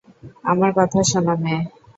আমার কথা শোন, মেয়ে।